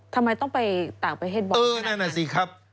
ทำไมต้องไปต่างประเทศบ่อยเออนั่นน่ะสิครับ